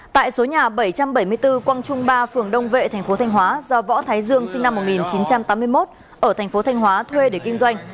tại số nhà bảy trăm bảy mươi bốn quang trung ba phường đông vệ tp thanh hóa do võ thái dương sinh năm một nghìn chín trăm tám mươi một ở tp thanh hóa thuê để kinh doanh